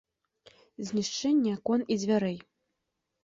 Знішчэнне акон і дзвярэй.